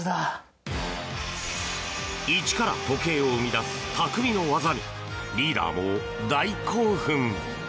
一から時計を生み出すたくみの技にリーダーも大興奮！